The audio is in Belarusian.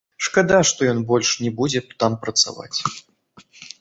Шкада, што ён больш не будзе там працаваць.